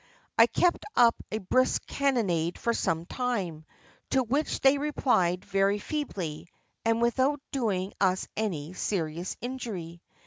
I kept up a brisk cannonade for some time, to which they replied very feebly, and without doing us any serious injury.